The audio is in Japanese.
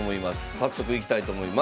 早速いきたいと思います。